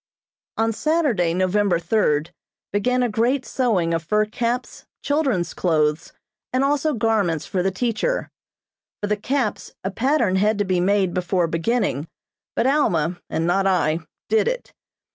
On Saturday, November third, began a great sewing of fur caps, children's clothes, and also garments for the teacher. For the caps, a pattern had to be made before beginning, but Alma and not I did it.